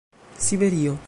siberio